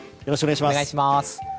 よろしくお願いします。